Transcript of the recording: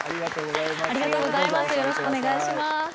ありがとうございます。